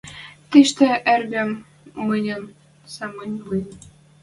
Тиштӹ, эргӹм, мӹньӹн самынь лин.